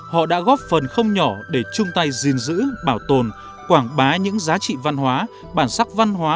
họ đã góp phần không nhỏ để chung tay gìn giữ bảo tồn quảng bá những giá trị văn hóa bản sắc văn hóa